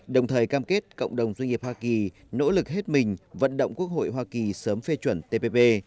đồng thời cam kết cộng đồng doanh nghiệp hoa kỳ nỗ lực hết mình vận động quốc hội hoa kỳ sớm phê chuẩn tpp